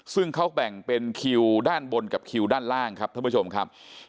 ซึ่งเขาแบ่งเป็นคิวด้านบนกับคิวด้านล่างครับท่านผู้ชมครับ